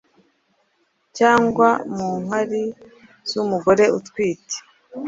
cyangwa mu nkari z’umugore utwite